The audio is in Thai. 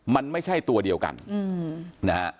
มันไม่ใช่ตัวเดียวกันนะฮะ